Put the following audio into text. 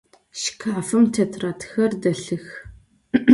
Şşkafım têtradxer delhıx.